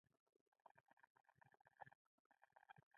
مشرتوب له هڅونې سره تړاو لري.